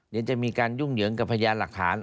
เดี๋ยวจะมีการยุ่งเหยิงกับพยานหลักฐาน